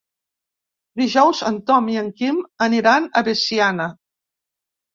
Dijous en Tom i en Quim aniran a Veciana.